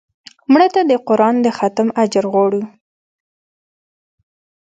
مړه ته د قرآن د ختم اجر غواړو